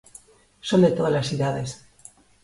Son de tódalas idades.